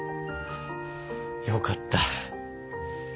よかった。